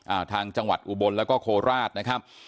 ทางจังหวัดอุบลแล้วก็โคราชนะครับ